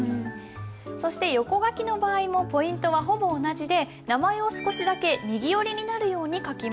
そして横書きの場合もポイントはほぼ同じで名前を少しだけ右寄りになるように書きます。